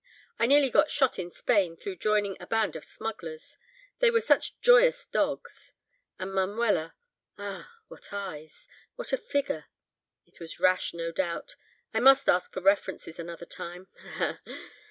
I nearly got shot in Spain through joining a band of smugglers, they were such joyous dogs; and Manuela—ah! what eyes! what a figure! It was rash, no doubt, I must ask for references, another time.